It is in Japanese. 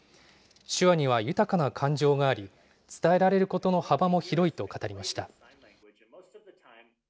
手話には豊かな感情があり、伝えられることの幅も広いと語りました。